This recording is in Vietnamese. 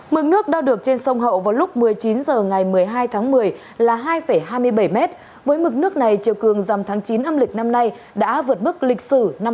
mực nước đo được trên sông hậu vào lúc một mươi chín h ngày một mươi hai tháng một mươi là hai hai mươi bảy m với mức nước này chiều cường dầm tháng chín âm lịch năm nay đã vượt mức lịch sử năm hai nghìn một mươi năm